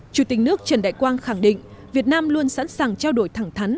chủ tịch nước trần đại quang khẳng định việt nam luôn sẵn sàng trao đổi thẳng thắn